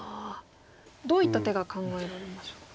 どういった手が考えられます？